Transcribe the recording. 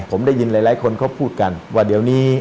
ผมได้ยินหลายคนเขาพูดกันว่าเดี๋ยวนี้